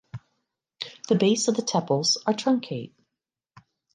The base of the tepals are truncate.